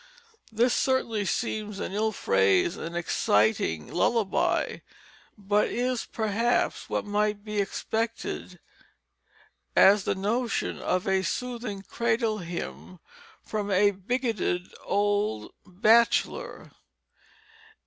This certainly seems an ill phrased and exciting lullaby, but is perhaps what might be expected as the notion of a soothing cradle hymn from a bigoted old bachelor.